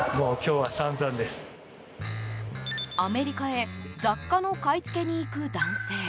アメリカへ雑貨の買いつけに行く男性。